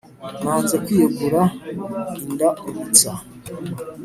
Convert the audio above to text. nanze kwiyegura indaùmutsa